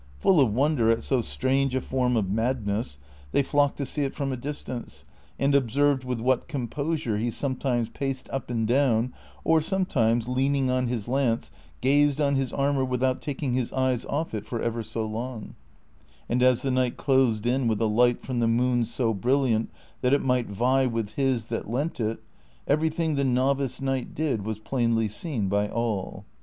Full of wonder at so strange a form of madness, they flocked to see it from a distance, and observed with what composure he sometimes paced up and down, or sometimes, leaning on his lance, gazed on his armor without taking his eyes oft' it for ever so long ; and as the night closed in with a light from the moon so brilliant that it might vie with his that lent it, everything the novice knight did was plainly seen by all.